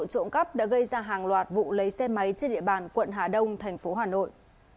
các vụ trộn cấp đã gây ra hàng loạt vụ lấy xe máy trên địa bàn quận hà đông thành phố hà nội